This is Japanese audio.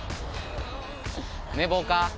寝坊か？